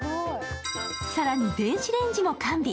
更に電子レンジも完備。